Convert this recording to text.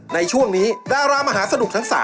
ในช่วงนี้ดารามหาสนุกทั้ง๓